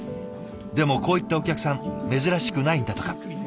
でもこういったお客さん珍しくないんだとか。